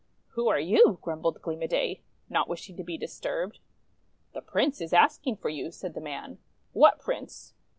"Who are you?' grumbled Gleam o' Day, not wishing to be disturbed. "The Prince is asking for you," said the man. "What Prince?"